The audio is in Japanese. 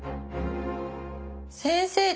先生